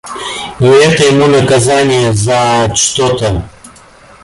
И это ему наказанье за что-то.